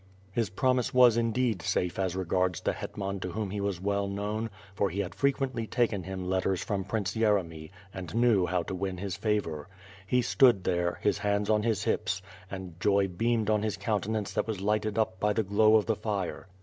His promise was indeed safe as regards the hetman to whom he was well known, for he had frequently taken him letters from Prince Yeremy and knew how to win his favor. He stood there, his hands on hi 5 hips, and joy beamed on his countenance that was lighted up by the glow of the fire.